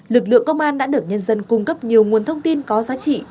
lực lượng công an đã được nhân dân cung cấp nhiều nguồn thông tin có giá trị